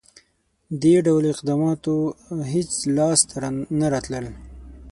• دې ډول اقداماتو هېڅ لاسته نه راتلل.